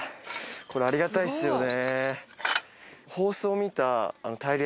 これありがたいですよね。